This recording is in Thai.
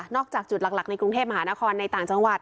จากจุดหลักในกรุงเทพมหานครในต่างจังหวัด